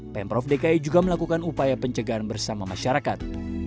pemprov dki juga melakukan upaya pencegahan bersama masyarakat